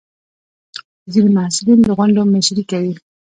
ځینې محصلین د غونډو مشري کوي.